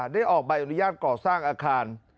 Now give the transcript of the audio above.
ได้ออกใบอนุญาตก่อสร้างอาคาร